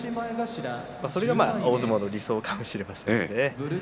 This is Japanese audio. それが大相撲の理想かもしれません。